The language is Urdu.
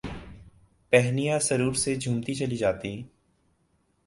ہہنیاں سرور سے جھومتی چلی جاتیں